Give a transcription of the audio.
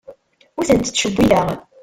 Ur tent-ttcewwileɣ.